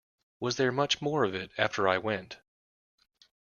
Was there much more of it after I went?